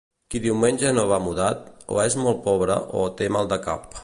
Qui diumenge no va mudat, o és molt pobre o té mal de cap.